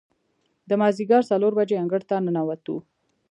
د مازدیګر څلور بجې انګړ ته ننوتو.